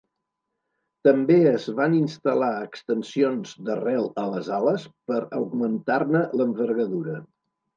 També es van instal·lar extensions d'arrel a les ales per augmentar-ne l'envergadura.